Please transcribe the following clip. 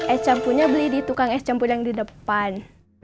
es campunya beli di tukang es campur yang di depan